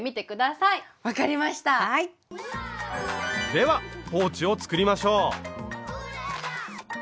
ではポーチを作りましょう！